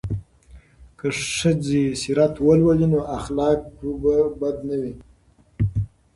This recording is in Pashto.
که ښځې سیرت ولولي نو اخلاق به بد نه وي.